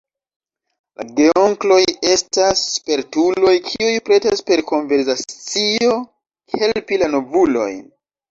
La geonkloj estas spertuloj, kiuj pretas per konversacio helpi la novulojn.